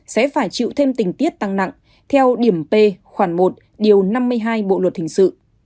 sẽ phải chịu thêm tình tiết tăng nặng theo điểm p khoảng một điều năm mươi hai bộ luật hình sự